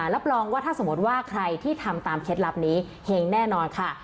รับรองว่าถ้าสมมติว่าใครที่ทำตามเคล็ดลับนี้เห็งแน่นอนค่ะ